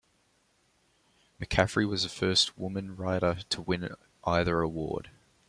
McCaffrey was the first woman writer to win either award.